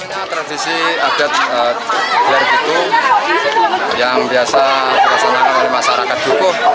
banyak tradisi adat gelar pitu yang biasa dipersanakan oleh masyarakat jogoh